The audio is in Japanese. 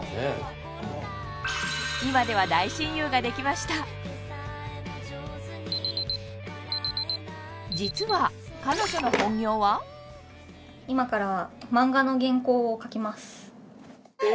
今では大親友ができました実は彼女の本業は今から漫画の原稿を描きます